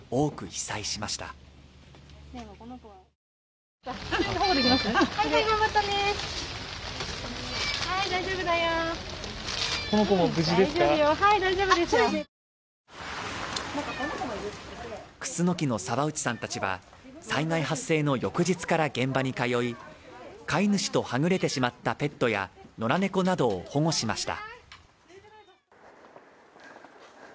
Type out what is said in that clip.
くすのきの澤内さんたちは災害発生の翌日から現場に通い飼い主とはぐれてしまったペットや野良猫などを保護しました。